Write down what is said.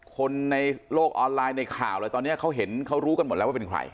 คนในโลกออนไลน์ในข่าวอะไรตอนนี้เขาเห็นเขารู้กันหมดแล้วว่าเป็นใคร